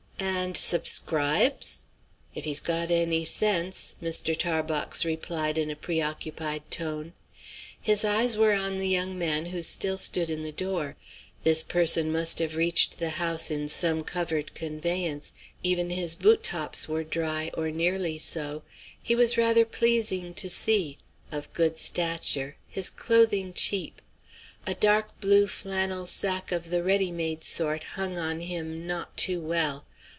"And subscribes?" "If he's got any sense," Mr. Tarbox replied in a pre occupied tone. His eyes were on the young man who still stood in the door. This person must have reached the house in some covered conveyance. Even his boot tops were dry or nearly so. He was rather pleasing to see; of good stature, his clothing cheap. A dark blue flannel sack of the ready made sort hung on him not too well.